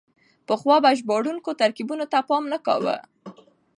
پخوا به ژباړونکو ترکيبونو ته پام نه کاوه.